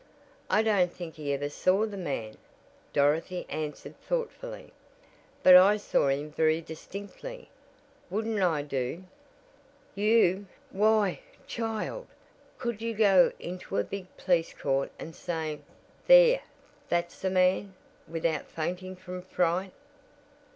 "I don't think he ever saw the man," Dorothy answered thoughtfully. "But I saw him very distinctly. Wouldn't I do?" "You? Why, child, could you go into a big police court and say: 'There, that's the man;' without fainting from fright?"